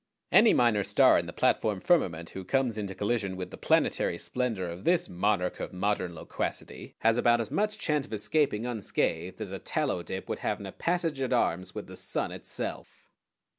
Any minor star in the platform firmament who comes into collision with the planetary splendor of this Monarch of Modern Loquacity has about as much chance of escaping unscathed as a tallow dip would have in a passage at arms with the sun itself.